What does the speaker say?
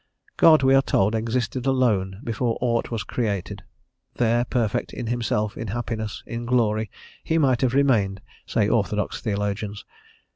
God, we are told, existed alone before ought was created; there perfect in himself, in happiness, in glory, he might have remained, say orthodox theologians.